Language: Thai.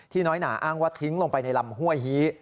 น้อยหนาอ้างว่าทิ้งลงไปในลำห้วยฮี